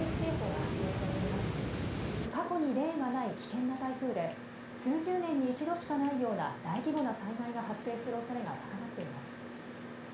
「過去に例がない危険な台風で数十年に一度しかないような大規模な災害が発生するおそれが高まっています」。